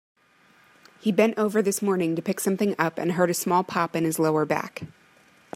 He bent over this morning to pick something up and heard a small pop in his lower back.